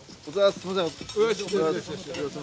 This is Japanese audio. すいません。